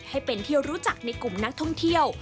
ให้เป็นที่รู้จักในกลุ่มนักท่องเที่ยว